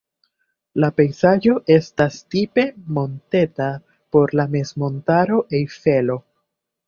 La pejzaĝo estas tipe monteta por la mezmontaro Ejfelo.